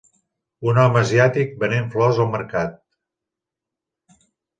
Un home asiàtic venent flors al mercat.